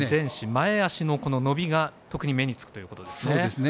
前脚が特に目につくということですね。